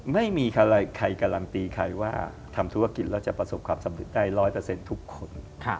ไม่มีใครการันตีใครว่าทำธุรกิจแล้วจะประสบความสำเร็จได้๑๐๐ทุกคน